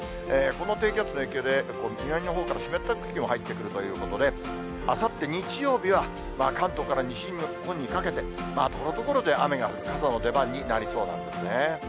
この低気圧の影響で、南のほうから湿った空気も入ってくるということで、あさって日曜日は、関東から西日本にかけて、ところどころで雨が降る、傘の出番になりそうなんですね。